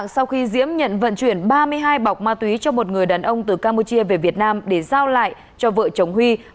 xin chào các bạn